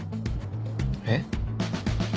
えっ？